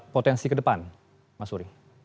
potensi ke depan mas uri